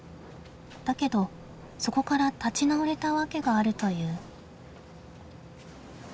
だけどそこから立ち直れた訳があるという。